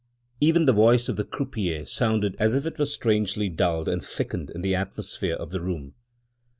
Even the voice of the croupier sounded as if it were strangely dulled and thickened in the atmosphere of the room.